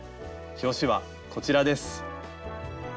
表紙はこちらです。